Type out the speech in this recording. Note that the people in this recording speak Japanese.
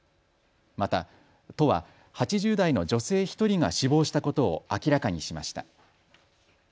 また、都は８０代の女性１人が死亡したことを明らかにしました。